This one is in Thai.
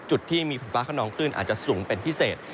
จุดที่มีฝนฟ้าขนองคลื่นอาจจะสูงเป็นพิเศษ